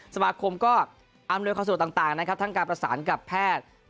สมาคมก็อำนวยศ์ของศุษย์ต่างนะครับทั้งการปราสานกับแพทย์